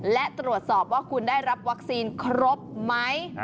และตรวจสอบว่าคุณได้รับวัคซีนครบไหม